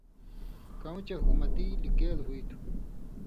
کؤں چے حُکمتی لِکېل ہُوئ تُھو۔